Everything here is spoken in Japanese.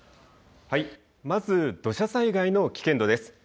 まず土砂災害の危険度です。